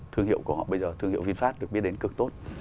thương hiệu của họ bây giờ thương hiệu vinfast được biết đến cực tốt